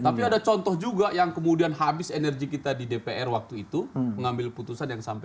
tapi ada contoh juga yang kemudian habis energi kita di dpr waktu itu mengambil putusan yang sampai